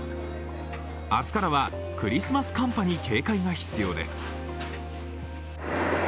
明日からはクリスマス寒波に警戒が必要です。